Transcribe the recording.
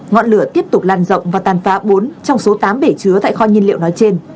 ngọn lửa tiếp tục lan rộng và tàn phá bốn trong số tám bể chứa tại kho nhiên liệu nói trên